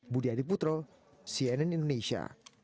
budi adiputro cnn indonesia